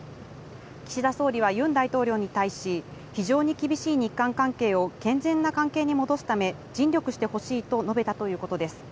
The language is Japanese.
岸田総理は、ユン大統領に対し、非常に厳しい日韓関係を健全な関係に戻すため、尽力してほしいと述べたということです。